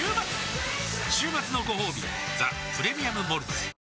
週末のごほうび「ザ・プレミアム・モルツ」